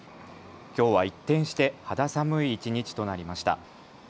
きょうは一転して肌寒い一日となりました。